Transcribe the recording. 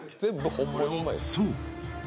そう！